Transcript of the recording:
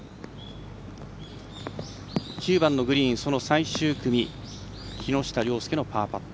９番のグリーン、その最終組木下稜介のパーパット。